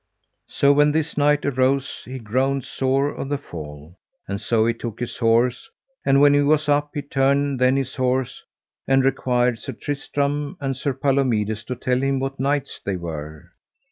So when this knight arose he groaned sore of the fall, and so he took his horse, and when he was up he turned then his horse, and required Sir Tristram and Sir Palomides to tell him what knights they were.